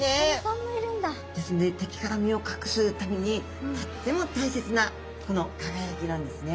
ですので敵から身を隠すためにとっても大切なこの輝きなんですね。